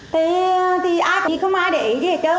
thì ai cũng không ai để ý gì hết trơn